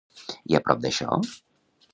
I a prop d'això?